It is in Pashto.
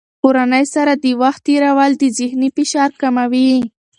د کورنۍ سره د وخت تېرول د ذهني فشار کموي.